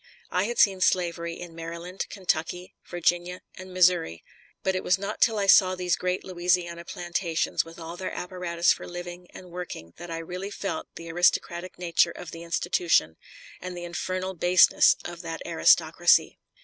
I had seen slavery in Maryland, Kentucky, Virginia, and Missouri, but it was not till I saw these great Louisiana plantations with all their apparatus for living and working that I really felt the aristocratic nature of the institution, and the infernal baseness of that aristocracy.